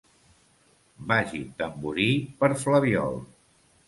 Vagi tamborí per flabiol.